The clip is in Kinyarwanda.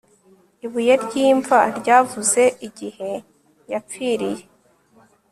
ibuye ry'imva ryavuze igihe yapfiriye